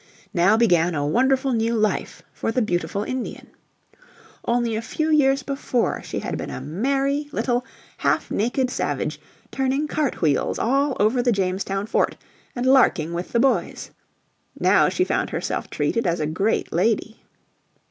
Now began a wonderful new life for the beautiful Indian. Only a few years before she had been a merry, little, half naked savage, turning cart wheels all over the Jamestown fort, and larking with the boys. Now she found herself treated as a great lady.